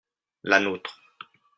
la nôtre.